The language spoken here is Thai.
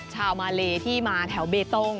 ชาวมาเลที่มาแถวเบตง